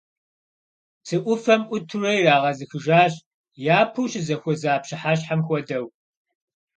Псы Ӏуфэм Ӏутурэ ирагъэзыхыжащ, япэу щызэхуэза пщыхьэщхьэм хуэдэу.